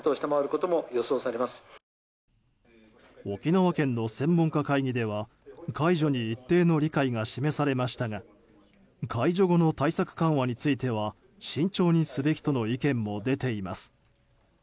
沖縄県の専門家会議では解除に一定の理解が示されましたが解除後の対策緩和については慎重にすべきとの意見も出ています。